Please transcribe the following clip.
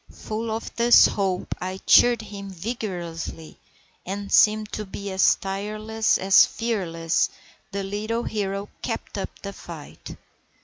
Full of this hope I cheered him vigorously, and seeming to be as tireless as fearless, the little hero kept up the fight.